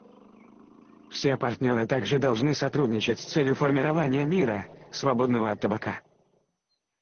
Все партнеры также должны сотрудничать с целью формирования мира, свободного от табака.